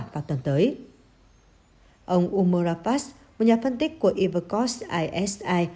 vào tuần tới ông umura fass một nhà phân tích của ivercox isi